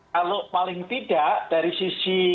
kalau paling tidak dari sisi